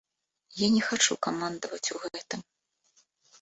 Я не хачу камандаваць у гэтым.